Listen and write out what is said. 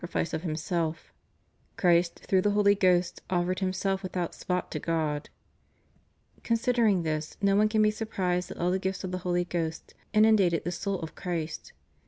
rifice of Himself: Christ, through the Holy Ghost, offered Himself without spot to God} Considering this no one can be surprised that all the gifts of the Holy Ghost inun dated the soul of Christ.